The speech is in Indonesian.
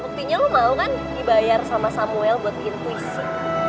buktinya lo mau kan dibayar sama samuel buat in puisi